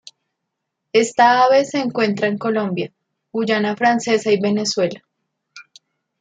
Esta ave se encuentra en Colombia, Guayana Francesa y Venezuela.